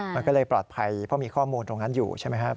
มันก็เลยปลอดภัยเพราะมีข้อมูลตรงนั้นอยู่ใช่ไหมครับ